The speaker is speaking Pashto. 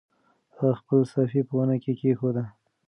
هغه خپله صافه په ونه کې کېښوده.